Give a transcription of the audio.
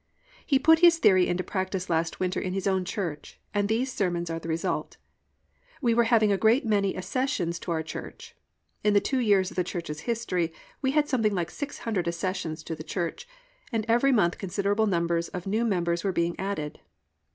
He put his theory into practice last winter in his own church, and these sermons are the result. We were having a great many accessions to our church. In the two years of the church's history we had had something like six hundred accessions to the church, and every month considerable numbers of new members were being added.